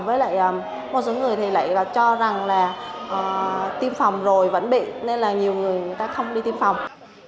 với lại một số người thì lại cho rằng là tiêm phòng rồi vẫn bị nên là nhiều người người ta không đi tiêm phòng